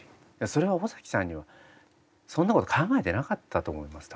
それは尾崎さんにはそんなこと考えてなかったと思います